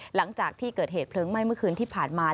หลังจากที่เกิดเหตุเพลิงไหม้เมื่อคืนที่ผ่านมา